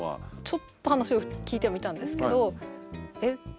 ちょっと話を聞いてはみたんですけどえっ